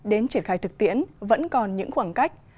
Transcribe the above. đến triển khai thực tiễn vẫn còn những khoảng cách